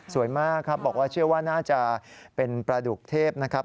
มากครับบอกว่าเชื่อว่าน่าจะเป็นปลาดุกเทพนะครับ